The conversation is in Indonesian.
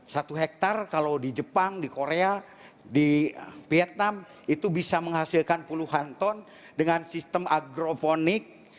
satu hektare kalau di jepang di korea di vietnam itu bisa menghasilkan puluhan ton dengan sistem agrofonik